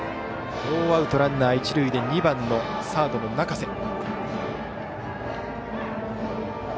ノーアウトランナー、一塁で２番サードの中瀬。